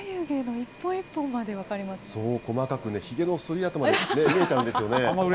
そう、細かく、ひげのそり跡まで見えちゃうんですよね。